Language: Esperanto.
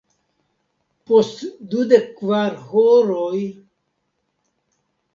Post dudek kvar horoj ...